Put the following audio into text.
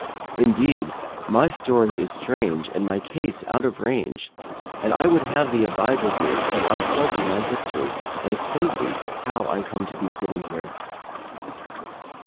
Indeed, my story is strange and my case out of range, and I would have thee abide with me, till I tell thee my history and acquaint thee how I come to be sitting here.'"